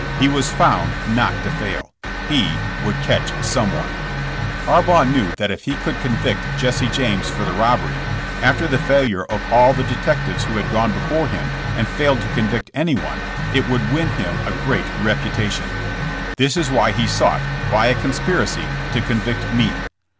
He was found not to fail. He would catch someone. Harbaugh knew that if he could convict Jesse James for the robbery, after the failure of all the detectives who had gone before him and failed to convict anyone, it would win him a great reputation. This is why he sought, by a conspiracy, to convict me.